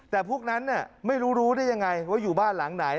แต่พวกนั้นไม่รู้รู้ได้ยังไงว่าอยู่บ้านหลังไหน